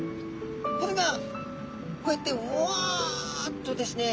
これがこうやってワッとですね